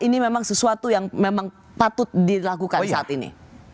ini memang sesuatu yang memang patut dilakukan saat ini